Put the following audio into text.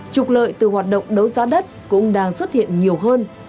trục lợi từ hoạt động đấu giá đất cũng đang xuất hiện nhiều hơn